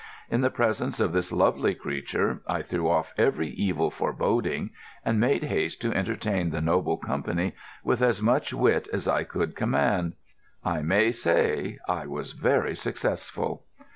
In the presence of this lovely creature I threw off every evil foreboding, and made haste to entertain the noble company with as much wit as I could command. I may say I was very successful.